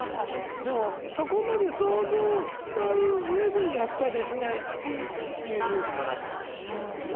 でもそこまで想像した上でやっぱできないっていう勇気のなさかもしれないしね。